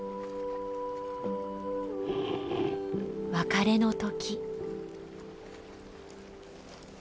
別れの時。